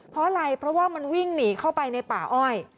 เพราะอะไรเพราะว่ามันวิ่งหนีเข้าไปในป่าอ้อย